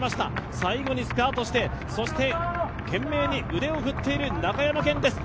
最後にスパートして懸命に腕を振っている中山顕です。